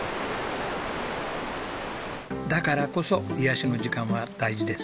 だからこそ癒やしの時間は大事です。